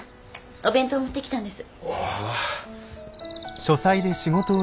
お弁当持ってきたんです。